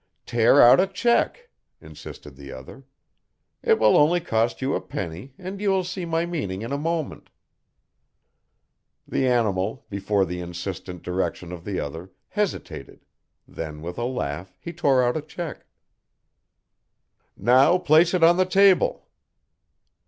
"Tear out a cheque," insisted the other, "it will only cost you a penny, and you will see my meaning in a moment." The animal, before the insistent direction of the other, hesitated, then with a laugh he tore out a cheque. "Now place it on the table."